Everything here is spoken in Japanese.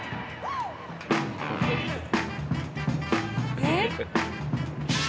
えっ？